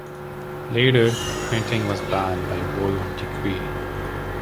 Later, printing was banned by royal decree.